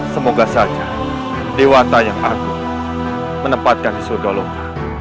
semoga saja dewa tayang aku menempatkan di surga loka